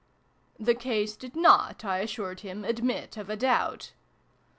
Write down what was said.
" The case did not, I assured him, admit of a doubt.